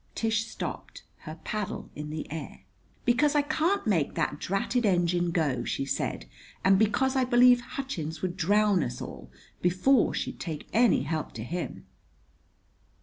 Tish stopped, her paddle in the air. "Because I can't make that dratted engine go," she said, "and because I believe Hutchins would drown us all before she'd take any help to him.